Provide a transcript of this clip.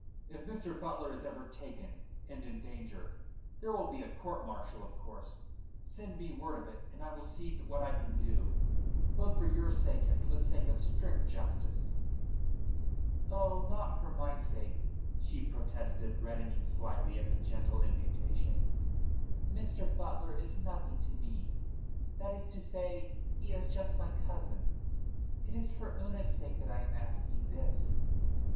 If Mr. Butler is ever taken and in danger there will be a court martial, of course send me word of it, and I will see what I can do, both for your sake and for the sake of strict justice." "Oh, not for my sake," she protested, reddening slightly at the gentle imputation. "Mr. Butler is nothing to me that is to say, he is just my cousin. It is for Una's sake that I am asking this."